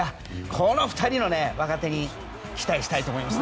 この２人の若手に期待したいと思います。